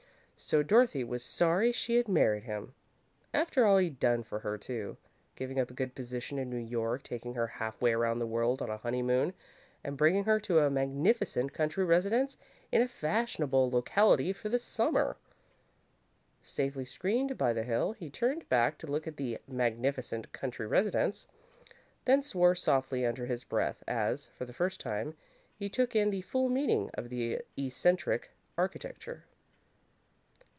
So Dorothy was sorry she had married him! After all he'd done for her, too. Giving up a good position in New York, taking her half way around the world on a honeymoon, and bringing her to a magnificent country residence in a fashionable locality for the Summer! Safely screened by the hill, he turned back to look at the "magnificent country residence," then swore softly under his breath, as, for the first time, he took in the full meaning of the eccentric architecture.